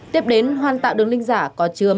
tiếp đến hoan tạo đường linh giả có trường